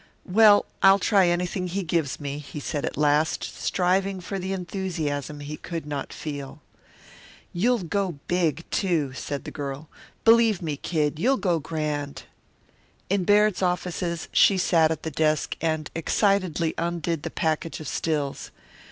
"Well, I'll try anything he gives me," he said at last, striving for the enthusiasm he could not feel. "You'll go big, too," said the girl. "Believe, me Kid, you'll go grand." In Baird's offices he sat at the desk and excitedly undid the package of stills.